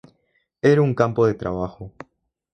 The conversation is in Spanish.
Era un campo de trabajo.